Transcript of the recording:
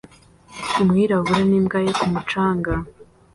Umwirabura n'imbwa ye ku mucanga